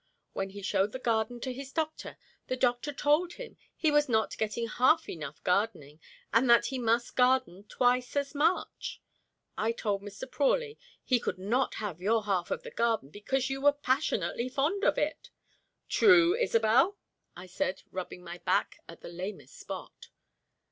When he showed the garden to his doctor, the doctor told him he was not getting half enough gardening that he must garden twice as much. I told Mr. Prawley he could not have your half of the garden, because you were passionately fond of it " "True, Isobel!" I said, rubbing my back at the lamest spot.